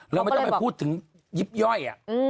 ไม่พูดถึงยิบย่อย